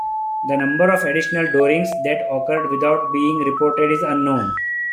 The number of additional doorings that occurred without being reported is unknown.